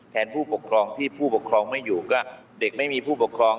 ผู้ปกครองที่ผู้ปกครองไม่อยู่ก็เด็กไม่มีผู้ปกครอง